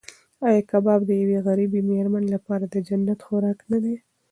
ایا کباب د یوې غریبې مېرمنې لپاره د جنت خوراک نه دی؟